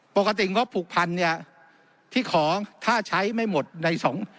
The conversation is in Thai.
ปกติงบผูกพันเนี่ยที่ขอถ้าใช้ไม่หมดในสอง